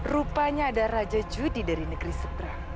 rupanya ada raja judi dari negeri seberang